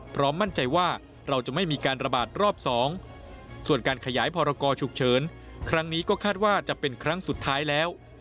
พร้อมมั่นใจว่าเราจะไม่มีการระบาดรอบ๒ส่วนการขยายพรกรฉุกเฉินครั้งนี้ก็คาดว่าจะเป็นครั้งสุดท้ายแล้ว